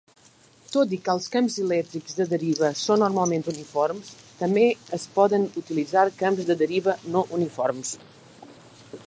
Tot i que els camps elèctrics de deriva són normalment uniformes, també es poden utilitzar camps de deriva no uniformes.